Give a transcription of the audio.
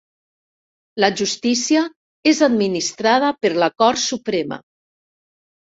La Justícia és administrada per la Cort Suprema.